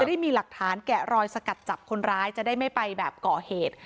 ได้มีหลักฐานแกะรอยสกัดจับคนร้ายจะได้ไม่ไปแบบก่อเหตุ